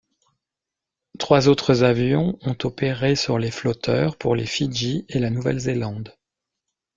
Trois autres avions ont opéré sur les flotteurs pour les Fidji et la Nouvelle-Zélande.